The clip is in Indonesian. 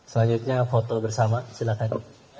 selanjutnya foto bersama silahkan